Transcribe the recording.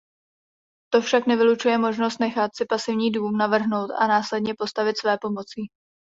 To však nevylučuje možnost nechat si pasivní dům navrhnout a následně postavit svépomocí.